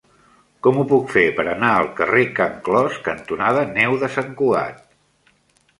Com ho puc fer per anar al carrer Can Clos cantonada Neu de Sant Cugat?